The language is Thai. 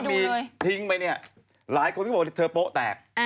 มีทิ้งไปเนี่ยหลายคนก็บอกว่าเธอโป๊ะแตก